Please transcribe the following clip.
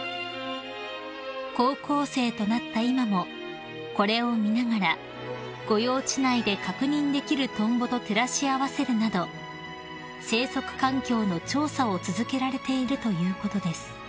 ［高校生となった今もこれを見ながら御用地内で確認できるトンボと照らし合わせるなど生息環境の調査を続けられているということです］